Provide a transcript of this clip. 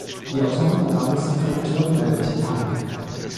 Die Autorin war damals Redakteurin bei der Titanic.